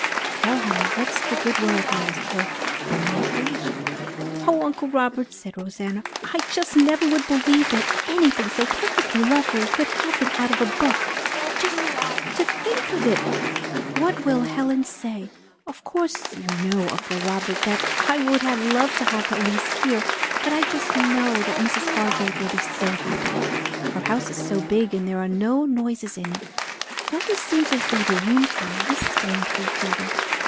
"Well, honey, what's the good word?" he asked her when he had finished. "Oh, Uncle Robert," said Rosanna, "I just never would believe that anything so perfectly lovely could happen out of a book. Just to think of it! What will Helen say? Of course you know, Uncle Robert, that I would have loved to have Elise here, but I just know that Mrs. Hargrave will be so happy. Her house is so big, and there are no noises in it. It always seems as though the rooms are whispering to each other."